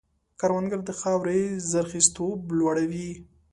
کروندګر د خاورې زرخېزتوب لوړوي